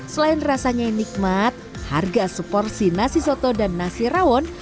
selain rasanya yang nikmat harga seporsi nasi soto dan nasi rawon